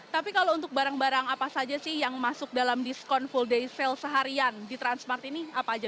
tapi kalau untuk barang barang apa saja sih yang masuk dalam diskon full day sale seharian di transmart ini apa aja